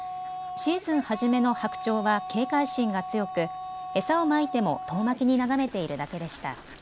シーズン初めの白鳥は警戒心が強く餌をまいても遠巻きに眺めているだけでした。